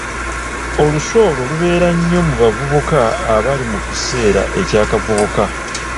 Olusu olwo lubeera nnyo mu bavubuka abali mu kiseera ekya kaabuvubuka.